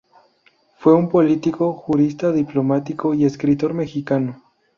Fue un político, jurista, diplomático y escritor mexicano.